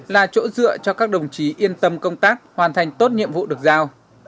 là chỗ dựa cho các đồng chí yên tâm công tác hoàn thành tốt nhiệm vụ được giao